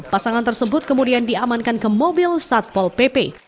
pasangan tersebut kemudian diamankan ke mobil satpol pp